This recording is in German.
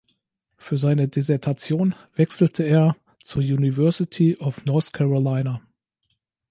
Für seine Dissertation wechselte er zur University of North Carolina.